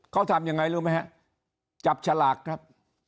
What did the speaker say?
เขาทำยังไงรู้ไหมฮะจับฉลากครับ